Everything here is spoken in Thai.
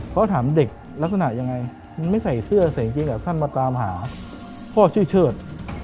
เขาถามเด็กลักษณะยังไงมันไม่ใส่เสื้อใส่กางเกงขาสั้นมาตามหาพ่อชื่อเชิด